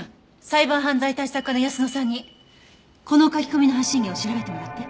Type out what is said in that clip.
サイバー犯罪対策課の泰乃さんにこの書き込みの発信源を調べてもらって。